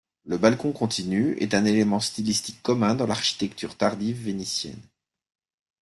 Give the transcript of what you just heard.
Le balcon continu est un élément stylistique commun dans l'architecture tardive vénitienne.